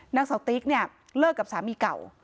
นางสาวติ๊กเนี่ยเลิกกับสามีเก่า